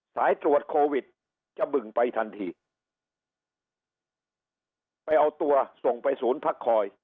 สายตรวจโควิดจะบึ่งไปทันทีไปเอาตัวส่งไปศูนย์พักคอย